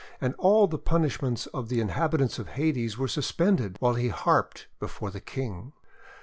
And all the punishments of the inhabitants of Hades were suspended while he harped before the King.